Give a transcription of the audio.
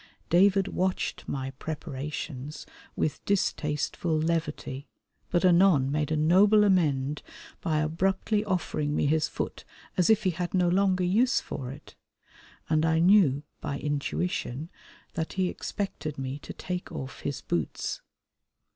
David watched my preparations with distasteful levity, but anon made a noble amend by abruptly offering me his foot as if he had no longer use for it, and I knew by intuition that he expected me to take off his boots.